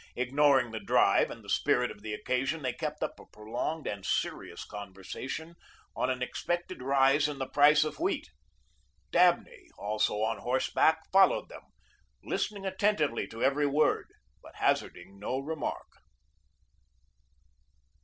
Ignoring the drive and the spirit of the occasion, they kept up a prolonged and serious conversation on an expected rise in the price of wheat. Dabney, also on horseback, followed them, listening attentively to every word, but hazarding no remark.